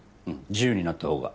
自由になったほうが。